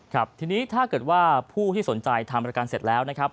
ครับทีนี้ถ้าเกิดว่าผู้ที่สนใจทำรายการเสร็จแล้วนะครับ